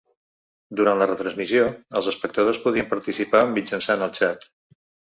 Durant la retransmissió els espectadors podien participar mitjançant el xat.